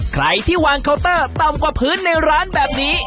ใครที่วางเคาน์เตอร์ต่ำกว่าพื้นในร้านแบบนี้